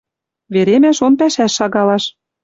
Веремӓ шон пӓшӓш шагалаш.